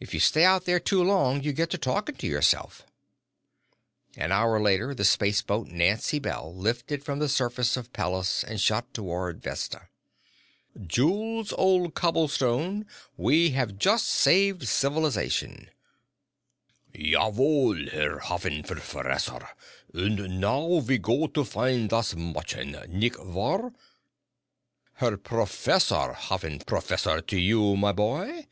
If you stay out there too long, you get to talking to yourself." An hour later, the spaceboat Nancy Bell lifted from the surface of Pallas and shot toward Vesta. "Jules, old cobblestone, we have just saved civilization." "Jawohl, Herr Hassenpfefferesser! Und now ve go to find das Mädchen, nicht war?" "Herr Professor Hassenpfefferesser to you, my boy."